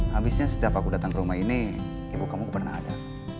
habisnya setiap aku datang ke rumah ini ibu kamu pernah ada